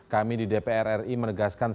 kami di dpr ri menegaskan